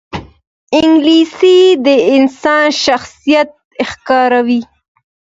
انګلیسي د انسان شخصیت ښکاروي